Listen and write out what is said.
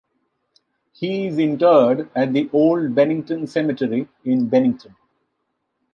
He is interred at the Old Bennington Cemetery in Bennington.